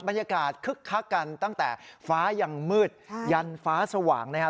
คึกคักกันตั้งแต่ฟ้ายังมืดยันฟ้าสว่างนะครับ